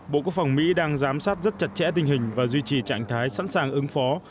bộ quốc phòng mỹ đang giám sát rất chặt chẽ tình hình và duy trì trạng thái sẵn sàng ứng phó